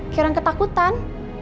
kayak orang ketakutan